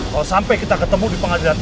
kalau sampai kita ketemu di pengadilan